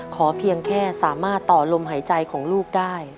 เพียงแค่สามารถต่อลมหายใจของลูกได้